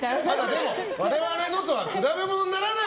でも、我々のとは比べ物にならない。